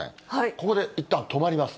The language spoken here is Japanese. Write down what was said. ここでいったん止まります。